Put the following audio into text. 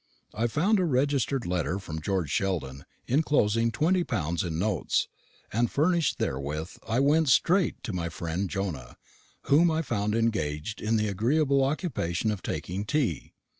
I found a registered letter from George Sheldon, enclosing twenty pounds in notes, and furnished therewith I went straight to my friend Jonah, whom I found engaged in the agreeable occupation of taking tea.